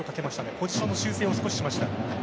ポジションの修正を少ししました。